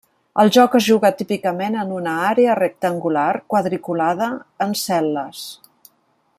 El joc es juga típicament en una àrea rectangular quadriculada en cel·les.